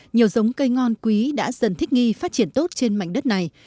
nhiều giống cây ngon quý đã dần thích nghi phát triển tốt trên mảnh đất này